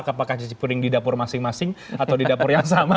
apakah cuci kuning di dapur masing masing atau di dapur yang sama